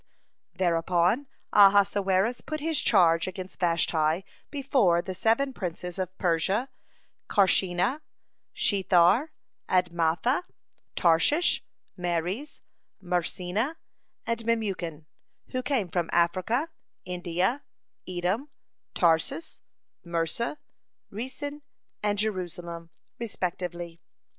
(38) Thereupon Ahasuerus put his charge against Vashti before the seven princes of Persia, Carshena, Shethar, Admatha, Tarshish, Meres, Marsena, and Memucan, who came from Africa, India, Edom, Tarsus, Mursa, Resen, and Jerusalem, respectively.